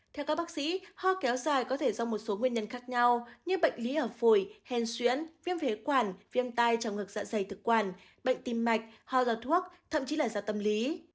theo các bác sĩ ho kéo dài có thể do một số nguyên nhân khác nhau như bệnh lý ở phổi hèn xuyễn viêm phế quản viêm tai trong ngược dạ dày thực quản bệnh tim mạch ho do thuốc thậm chí là do tâm lý